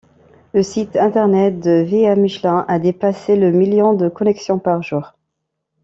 Le site internet de ViaMichelin a dépassé le million de connexions par jour.